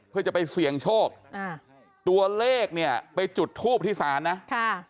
เพื่อจะไปเสี่ยงโชคอ่าตัวเลขเนี่ยไปจุดทูบที่ศาลนะค่ะ